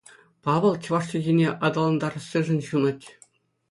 Павӑл чӑваш чӗлхине аталантарассишӗн ҫунать.